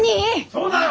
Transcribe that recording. そうだよ！